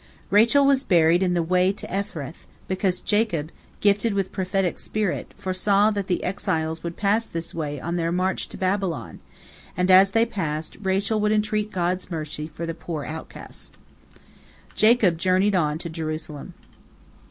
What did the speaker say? Rachel was buried in the way to Ephrath, because Jacob, gifted with prophetic spirit, foresaw that the exiles would pass this place on their march to Babylon, and as they passed, Rachel would entreat God's mercy for the poor outcasts. Jacob journeyed on to Jerusalem.